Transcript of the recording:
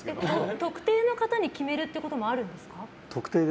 特定の方に決めるってこともあるんですか？